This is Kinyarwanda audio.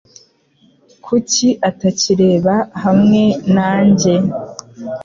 Kuki atakireba hamwe nanjye?